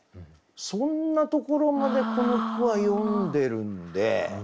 そんなところまでこの句は詠んでるんで。